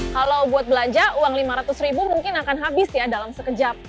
kalau buat belanja uang lima ratus ribu mungkin akan habis ya dalam sekejap